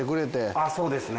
あっそうですね。